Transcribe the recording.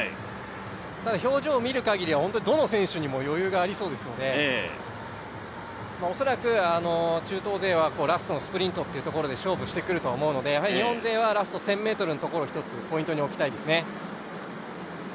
ただ、表情を見る限りには、どの選手も余裕がありそうですので、恐らく中東勢はラストのスプリントというところで勝負をしてくると思うのでやはり日本勢はラスト１０００ｍのところをポイントに置きたいですね。